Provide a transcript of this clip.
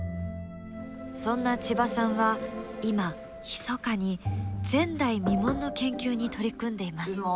そんな千葉さんは今ひそかに前代未聞の研究に取り組んでいます。